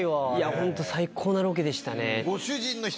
本当最高なロケでしたね。